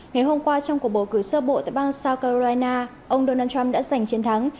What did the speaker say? ngày hôm qua trong cuộc bầu cử sơ bộ tại bang south carolina ông donald trump đã giành chiến thắng